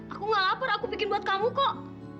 aku gak lapar aku bikin buat kamu kok